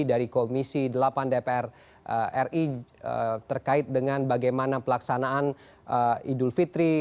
dari komisi delapan dpr ri terkait dengan bagaimana pelaksanaan idul fitri